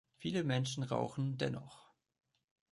Viele Menschen rauchen dennoch.